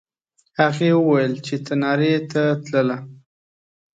هغې وویل چې تنارې ته تلله.